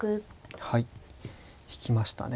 はい引きましたね。